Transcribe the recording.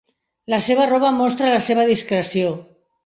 La seva roba mostra la seva discreció.